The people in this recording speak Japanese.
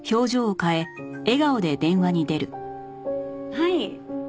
はい。